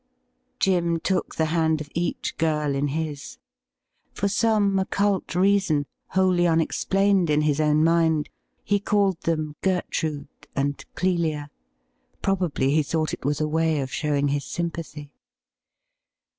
Jim took the hand of each girl in his. For some occult reason, wholly unexplained in his own mind, he called them 'Gertrude' and 'Clelia.' Probably he thought it was a way of showing his sympathy.